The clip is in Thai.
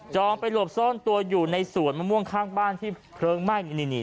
ไปหลบซ่อนตัวอยู่ในสวนมะม่วงข้างบ้านที่เพลิงไหม้